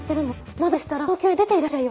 まだでしたら東京へ出ていらっしゃいよ。